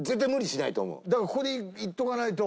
だからここでいっておかないと。